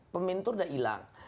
pementor sudah hilang